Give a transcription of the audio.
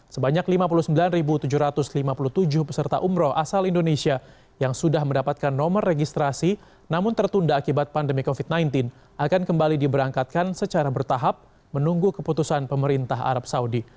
sebanyak lima puluh sembilan tujuh ratus lima puluh tujuh peserta umroh asal indonesia yang sudah mendapatkan nomor registrasi namun tertunda akibat pandemi covid sembilan belas akan kembali diberangkatkan secara bertahap menunggu keputusan pemerintah arab saudi